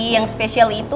yang spesial itu